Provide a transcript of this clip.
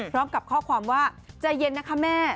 พร้อมกับข้อความว่าใจเย็นนะคะแม่